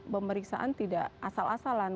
pemeriksaan tidak asal asalan